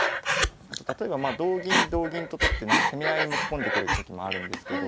あと例えば同銀同銀と取って攻め合いに持ち込んでくるときもあるんですけど。